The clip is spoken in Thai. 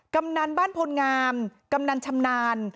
กำนันบ้านพลงามกำนันชำนาญ